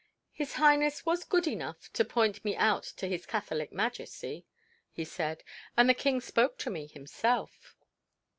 "His Highness was good enough to point me out to His Catholic Majesty," he said. "And the King spoke to me himself!"